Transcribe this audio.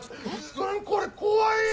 何これ怖い。